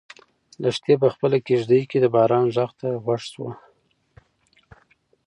لښتې په خپله کيږدۍ کې د باران غږ ته غوږ شو.